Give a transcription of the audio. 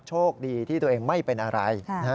โชคดีที่ตัวเองไม่เป็นอะไร